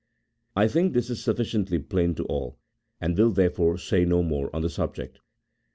I think this is sufficiently plain to all, and will therefore say no more on the subject.